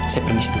saya permisi dulu